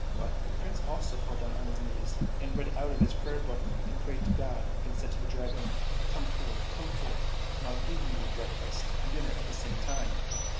" But the Prince also fell down on his knees and read out of his prayer book and prayed to God, and said to the Dragon, " Come forth ! come forth ! and I'll give thee breakfast and dinner at the same time